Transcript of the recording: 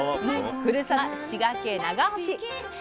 ふるさとは滋賀県長浜市。